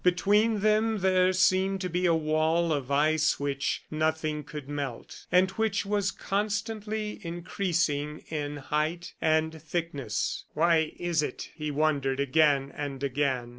Between them there seemed to be a wall of ice which nothing could melt, and which was constantly increasing in height and thickness. "Why is it?" he wondered, again and again.